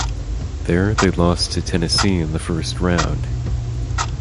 There they lost to Tennessee in the First Round.